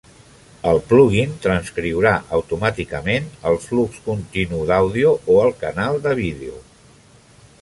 El plug-in transcriurà automàticament el flux continu d'àudio o el canal de vídeo.